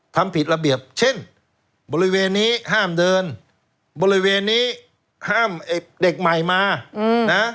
ทำผิดระเบียบเช่นบริเวณนี้ห้ามเดินบริเวณนี้ห้ามไอ้เด็กใหม่มานะ